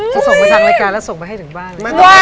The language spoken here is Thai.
ส่งไปทางรายการแล้วส่งไปให้ถึงบ้าน